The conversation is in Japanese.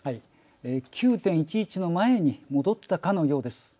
９．１１の前に戻ったかのようです。